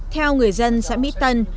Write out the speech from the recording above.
theo người dân xã mỹ tân